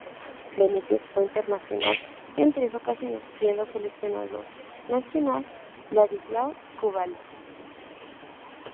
Benítez fue internacional en tres ocasiones, siendo seleccionador nacional Ladislao Kubala.